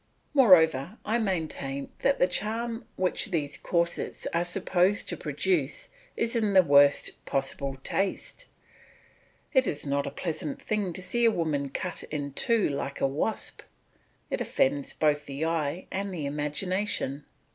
Moreover, I maintain that the charm which these corsets are supposed to produce is in the worst possible taste; it is not a pleasant thing to see a woman cut in two like a wasp it offends both the eye and the imagination.